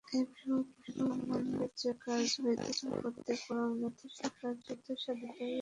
এই বৃহৎ ব্রহ্মাণ্ডে যে কার্য হইতেছে, প্রত্যেক পরমাণুতে সেই কার্যই সাধিত হইতেছে।